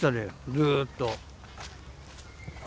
ずっと。